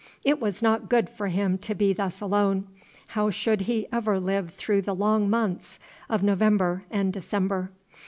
It was not good for him to be thus alone. How should he ever live through the long months of November and December?